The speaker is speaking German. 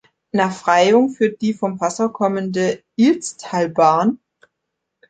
Nach Freyung führt die von Passau kommende Ilztalbahn.